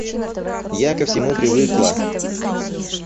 Я ко всему привыкла.